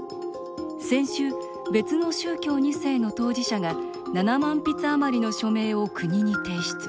先週、別の宗教２世の当事者が７万筆余りの署名を国に提出。